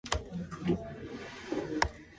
There was some local controversy about the changes.